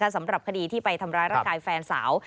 สำหรับคดีที่ไปทำร้ายร่างกายแฟนสาว